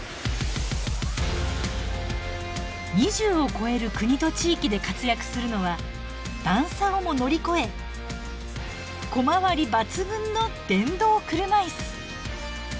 ２０を超える国と地域で活躍するのは段差をも乗り越え小回り抜群の電動車椅子。